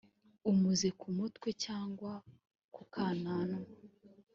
umuze ku mutwe cyangwa ku kananwa